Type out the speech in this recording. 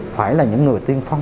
phải là những người tiên phong